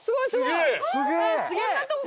すげえ！